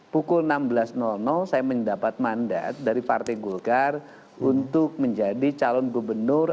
pukul enam belas saya mendapat mandat dari partai golkar untuk menjadi calon gubernur